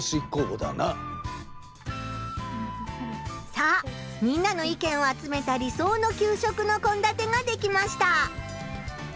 さあみんなの意見を集めた理想の給食のこんだてができました！